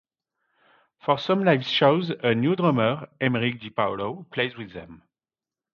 For some live shows, a new drummer, Emeric Di Paolo, plays with them.